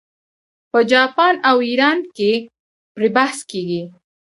په جاپان او ایران کې پرې بحث کیږي.